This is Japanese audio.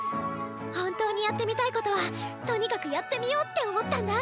本当にやってみたいことはとにかくやってみようって思ったんだ！